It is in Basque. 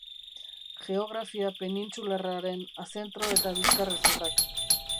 Geografia penintsularraren zentro eta bizkarrezurrak.